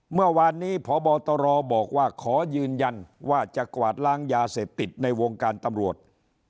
เมื่อวานนี้พบตรบอกว่าขอยืนยันว่าจะกวาดล้างยาเสพติดในวงการตำรวจ